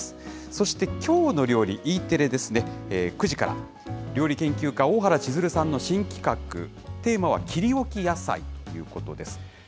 そしてきょうの料理、Ｅテレですね、９時から、料理研究家、大原千鶴さんの新企画、テーマは切りおき野菜ということです。